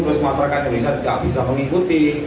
terus masyarakat indonesia tidak bisa mengikuti